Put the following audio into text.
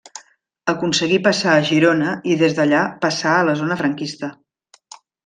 Aconseguí passar a Girona i des d'allà passar a la zona franquista.